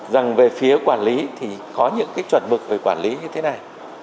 rằng về phía quản lý thì có những cái chuẩn mực về quản lý như thế này